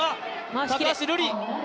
高橋瑠璃。